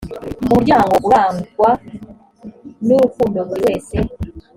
mu muryango urangwa n urukundo buri wese